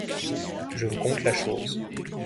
Je vous conte la chose.